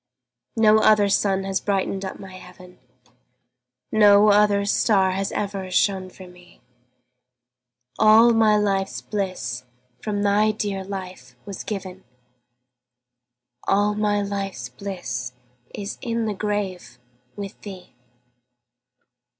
No other sun has brightened up my heaven, No other star has ever shone for me; All my life's bliss from thy dear life was given, All my life's bliss is in the grave with thee.